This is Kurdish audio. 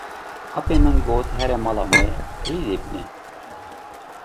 Apê min got here mala me kilîdê bîne.